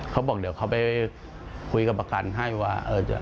เขาบอกเดี๋ยวเขาไปคุยกับประกันให้ว่า